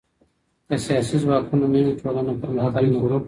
که سياسي ځواکونه نه وي ټولنه پرمختګ نه کوي.